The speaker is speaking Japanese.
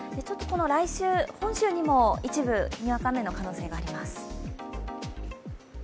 来週、本州にも一部にわか雨の可能性があります。